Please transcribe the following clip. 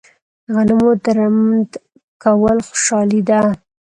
د غنمو درمند کول خوشحالي ده.